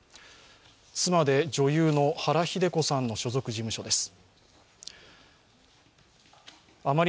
妻で女優の原日出子さんの所属事務所です。